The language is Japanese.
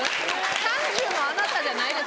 「３０のあなた」じゃないです。